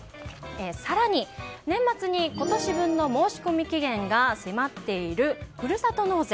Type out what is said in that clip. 更に年末に今年分の申込期限が迫っている、ふるさと納税。